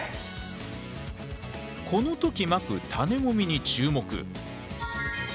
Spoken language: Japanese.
この時まく種もみに注目！